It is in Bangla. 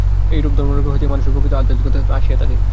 এইরূপ ধর্মানুরাগ হইতেই মানুষের প্রকৃত আধ্যাত্মিকতা আসিয়া থাকে।